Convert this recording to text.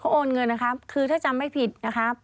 โอนเงินนะครับคือถ้าจำไม่ผิดนะครับ